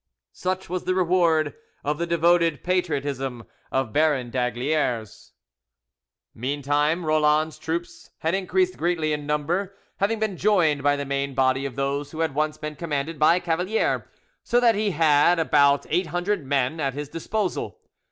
Such was the reward of the devoted patriotism of Baron d'Aygaliers! Meantime Roland's troops had increased greatly in number, having been joined by the main body of those who had once been commanded by Cavalier, so that he had, about eight hundred men at his disposal.